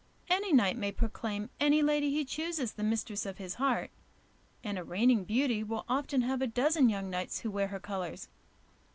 Any knight may proclaim any lady he chooses the mistress of his heart, and a reigning beauty will often have a dozen young knights who wear her colours.